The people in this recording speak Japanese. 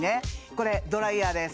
これドライヤーです